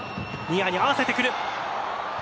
ニアに合わせてくる。